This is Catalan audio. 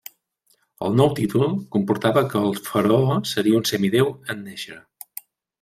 El nou títol comportava que el faraó seria un semidéu en néixer.